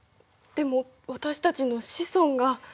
でも私たちの子孫が。